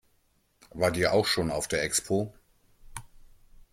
Wart ihr auch schon auf der Expo?